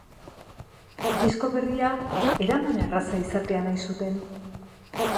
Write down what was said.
Disko berria eramanerraza izatea nahi zuten.